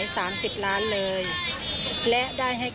สาโชค